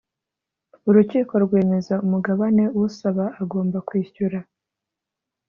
urukiko rwemeza umugabane usaba agomba kwishyura